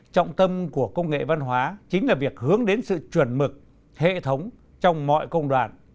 trọng tâm của công nghệ văn hóa chính là việc hướng đến sự chuẩn mực hệ thống trong mọi công đoạn